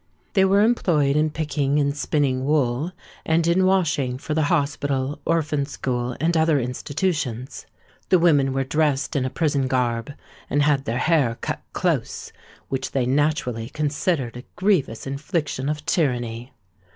They were employed in picking and spinning wool, and in washing for the Hospital, Orphan School, and other institutions. The women were dressed in a prison garb, and had their hair cut close, which they naturally considered a grievous infliction of tyranny.